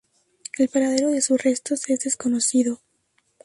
El paradero de sus restos es desconocido.